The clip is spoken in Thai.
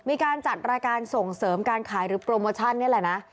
มีการจัดรายการส่งเสริมการขายหรือโปรโมชั่นนี่แหละนะ